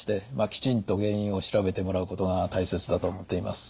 きちんと原因を調べてもらうことが大切だと思っています。